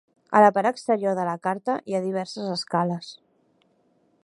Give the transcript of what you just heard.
A la part exterior de la carta hi ha diverses escales.